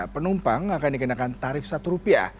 penumpang akan dikenakan tarif rp satu